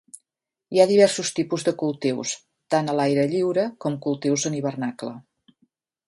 Hi ha diversos tipus de cultius, tant a l'aire lliure com cultius en hivernacle.